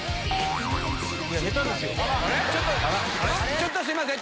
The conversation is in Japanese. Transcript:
ちょっとすいません！